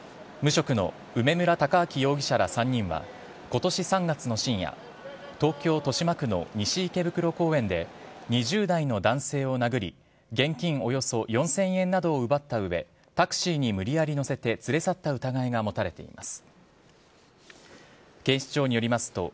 無職の梅村たかあき容疑者３人は、ことし３月の深夜東京・豊島区の西池袋公園で２０代の男性を殴り、現金およそ４０００円などを奪ったうえ、タクシーに無理やり乗せて連れ去った疑いが持たれています。